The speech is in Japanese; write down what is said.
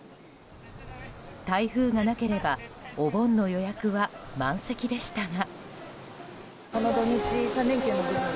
台風がなければお盆の予約は満席でしたが。